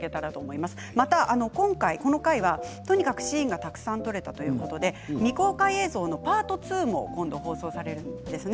また今回この回はとにかくシーンがたくさん撮れたということで未公開映像のパート２も今度、放送されるんですね。